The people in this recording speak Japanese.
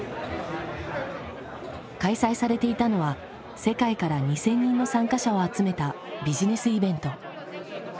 開催されていたのは世界から２，０００人の参加者を集めたビジネスイベント。